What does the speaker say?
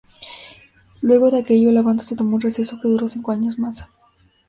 Luego de aquello la banda se tomó un receso que duró cinco años más.